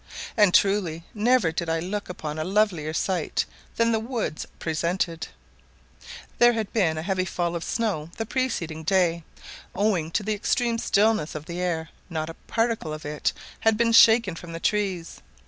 And truly never did I look upon a lovelier sight than the woods presented; there had been a heavy fall of snow the preceding day; owing to the extreme stillness of the air not a particle of it had been shaken from the trees.